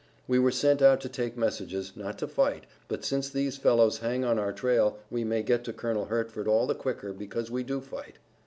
We were sent out to take messages, not to fight, but since these fellows hang on our trail we may get to Colonel Hertford all the quicker because we do fight."